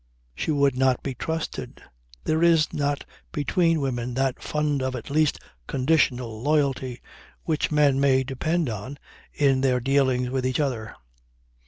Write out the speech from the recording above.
She would not be trusted. There is not between women that fund of at least conditional loyalty which men may depend on in their dealings with each other.